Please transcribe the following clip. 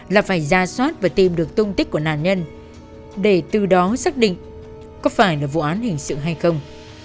là phải ra soát và tìm được tung tích của nạn nhân để từ đó xác định có phải là vụ án hình sự hay không